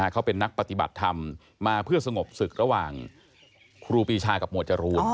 เขาเป็นนักปฏิบัติธรรมมาเพื่อสงบศึกระหว่างครูปีชากับหมวดจรูน